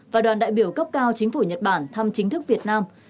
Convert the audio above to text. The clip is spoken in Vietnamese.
và đoàn đại biểu cấp cao chính phủ nhật bản thăm chính thức việt nam